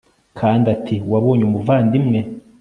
Kandi ati ko wabonye umuvandimwe